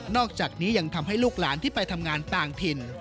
อกจากนี้ยังทำให้ลูกหลานที่ไปทำงานต่างถิ่น